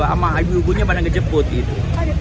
sama ibu ibu nya pada ngejeput gitu